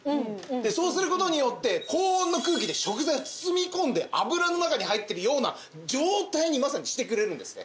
そうする事によって高温の空気で食材を包み込んで油の中に入ってるような状態にまさにしてくれるんですね。